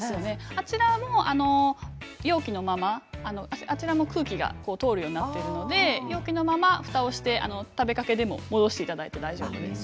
あちらも容器のままこちらも空気が通るようになっているので容器のままふたをして食べかけでも戻していただいて大丈夫です。